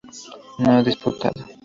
No disputado